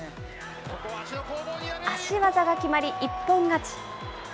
足技が決まり一本勝ち。